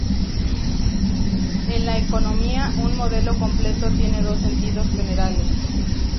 En la Economía, un modelo completo tiene dos sentidos generales.